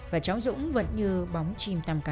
và cháu dũng vẫn như bóng chim tam cá